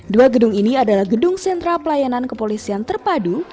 dua gedung ini adalah gedung sentra pelayanan kepolisian terpadu